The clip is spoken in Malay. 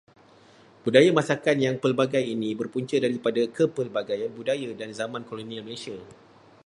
Budaya masakan yang pelbagai ini berpunca daripada kepelbagaian budaya dan zaman kolonial Malaysia.